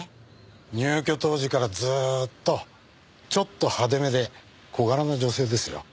入居当時からずーっとちょっと派手めで小柄な女性ですよ